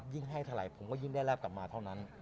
ให้เท่าไหร่ผมก็ยิ่งได้รับกลับมาเท่านั้น